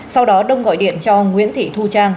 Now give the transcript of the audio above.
sau đó đông gọi điện cho nguyễn thị thu trang